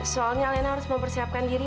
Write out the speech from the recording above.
soalnya leno harus mempersiapkan diri